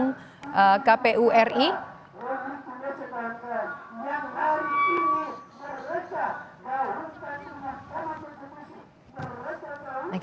ini adalah gambar terkini kondisi di depan gedung kpuri